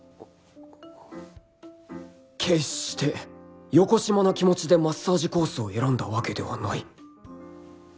決してよこしまな気持ちでマッサージコースを選んだわけではない